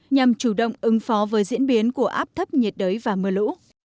nhằm chủ động ứng phó với diễn biến của áp thấp nhiệt đới và mưa lũ